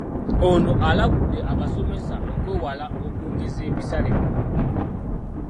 Ono alabudde abasomesa okwewala okwongeza ebisale bino.